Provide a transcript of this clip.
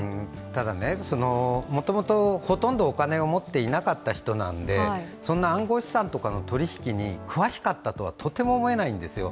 ただ、もともとほとんどお金を持っていなかった人なのでその暗号資産とかの取引に詳しかったとはとても思えないんですよ。